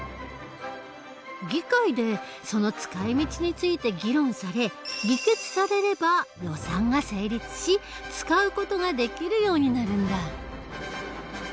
議会でその使い道について議論され議決されれば予算が成立し使う事ができるようになるんだ。